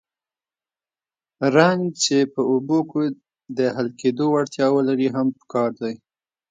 رنګ چې په اوبو کې د حل کېدو وړتیا ولري هم پکار دی.